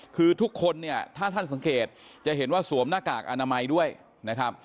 คือทุกคนเนี่ยถ้าท่านสังเกตจะเห็นว่าสวมหน้ากากอนามัยด้วยนะครับ